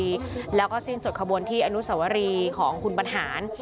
เราก็สิ้นส่วนขบวนอรุณสวรีของคุณบรรหาร